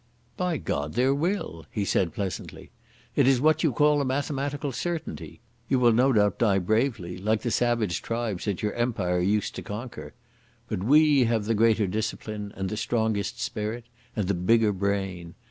"By God, there will," he said pleasantly. "It is what you call a mathematical certainty. You will no doubt die bravely, like the savage tribes that your Empire used to conquer. But we have the greater discipline and the stronger spirit and the bigger brain.